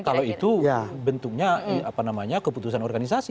kalau itu bentuknya apa namanya keputusan organisasi